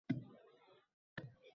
U qora kunimga yarab qolardi.